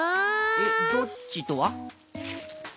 えっどっちとは？